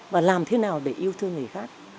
và làm thế nào để yêu thương người khác